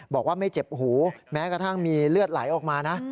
บอกว่าไม่เจ็บหูแม้กระทั่งมีเลือดไหลออกมานะ